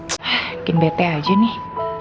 mungkin bete aja nih